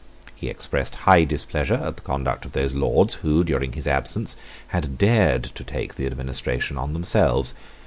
He expressed high displeasure at the conduct of those Lords who, during his absence, had dared to take the administration on themselves.